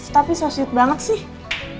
tapi sosius banget sih